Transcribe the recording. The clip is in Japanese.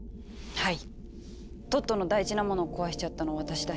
はい！